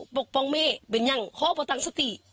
ปกป้องแม่เป็นอย่างโคตรประตังสติ